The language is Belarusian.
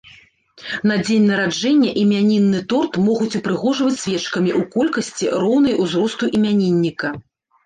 На дзень нараджэння імянінны торт могуць упрыгожваць свечкамі ў колькасці, роўнай узросту імянінніка.